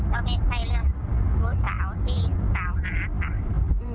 แล้วไม่ใช่เรื่องชู้สาวที่กล่าวหาค่ะ